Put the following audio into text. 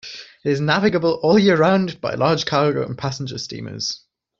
It is navigable all year round by large cargo and passenger steamers.